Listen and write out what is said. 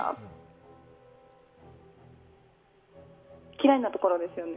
嫌いなところですよね。